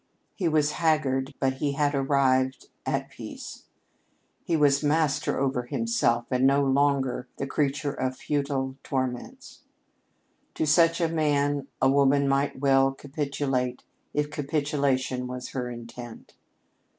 He was haggard, but he had arrived at peace. He was master over himself and no longer the creature of futile torments. To such a man a woman might well capitulate if capitulation was her intent.